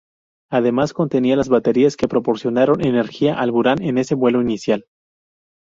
Además contenía las baterías que proporcionaron energía al Buran en ese vuelo inicial.